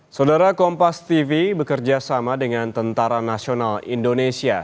saudara kompas tv bekerja sama dengan tentara nasional indonesia